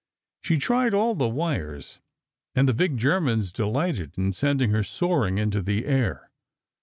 She tried all the wires, and the big Germans delighted in sending her soaring into the air.